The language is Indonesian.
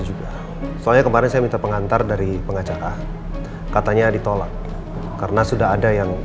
juga soalnya kemarin saya minta pengantar dari pengacara katanya ditolak karena sudah ada yang